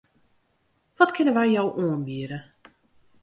Wat kinne wy jo oanbiede?